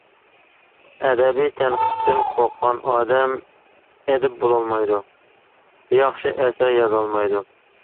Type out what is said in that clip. ئەدەبىي تەنقىدتىن قورققان ئادەم ئەدىب بولالمايدۇ، ياخشى ئەسەر يازالمايدۇ.